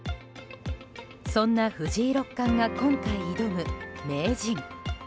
そんな藤井六冠が今回挑む名人。